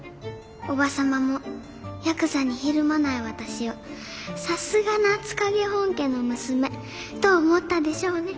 叔母様もヤクザにひるまない私を「さすが夏影本家の娘」と思ったでしょうね。